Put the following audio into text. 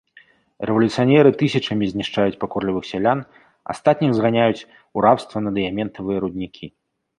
Рэвалюцыянеры тысячамі знішчаюць пакорлівых сялян, астатніх зганяюць у рабства на дыяментавыя руднікі.